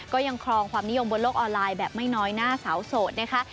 ก็ยังครองความนิยมบนโลกออนไลน์แบบไม่น้อยหน้าสาวโสดนะคะ